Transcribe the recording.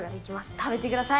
食べてください。